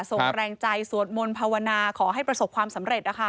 ส่งแรงใจสวดมนต์ภาวนาขอให้ประสบความสำเร็จ